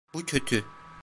Bu kötü.